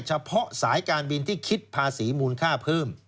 สายการบินที่คิดภาษีมูลค่าเพิ่ม